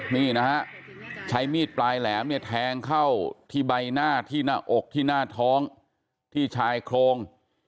นี่นะฮะใช้มีดปลายแหลมเนี่ยแทงเข้าที่ใบหน้าที่หน้าอกที่หน้าท้องที่ชายโครง